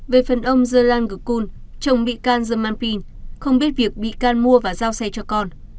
về phần ông gia lan giacun chồng bị can rơ mà pin không biết việc bị can mua và giao xe cho con